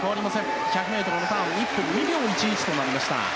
１００ｍのターンは１分２秒１１となりました。